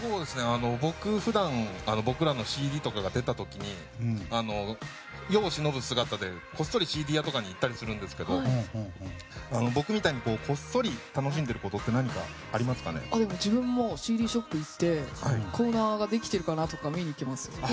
僕、普段僕らのＣＤとかが出た時に世を忍ぶ姿で、こっそりＣＤ屋とかに行ったりするんですけど僕みたいにこっそり楽しんでいることって自分もＣＤショップ行ってコーナーができてるかなとか見に行きます。